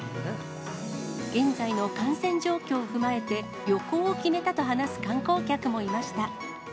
現在の感染状況を踏まえて、旅行を決めたと話す観光客もいました。